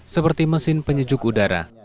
seperti mesin penyujuk udara